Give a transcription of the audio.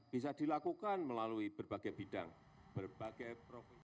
bisa dilakukan melalui berbagai bidang berbagai profesi